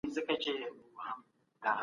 که انلاین تدریس وي نو خلګ نه وروسته کیږي.